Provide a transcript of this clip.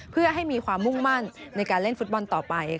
เพื่อให้มีความมุ่งมั่นในการเล่นฟุตบอลต่อไป